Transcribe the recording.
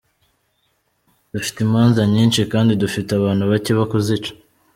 Dufite imanza nyinshi, kandi dufite abantu bake bo kuzica.